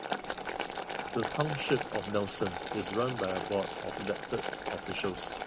The Township of Nelson is run by a board of elected officials.